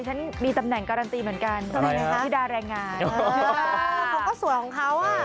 เออฉันมีตำแหน่งการานตีเหมือนกันกับพี่ตราแรงงานเขาก็สวยของเขา